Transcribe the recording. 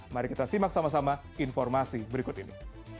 mari kita simak sama sama informasi berikut ini